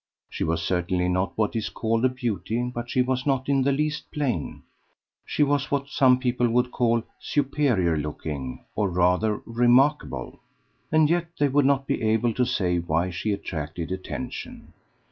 She was certainly not what is called a beauty, but she was not in the least plain. She was what some people would call "superior looking" or "rather remarkable," and yet they would not be able to say why she attracted attention.